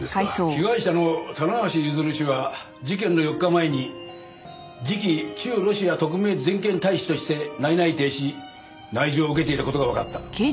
被害者の棚橋譲氏は事件の４日前に次期駐ロシア特命全権大使として内々定し内示を受けていた事がわかった。